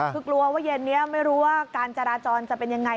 คือกลัวว่าเย็นนี้ไม่รู้ว่าการจราจรจะเป็นยังไง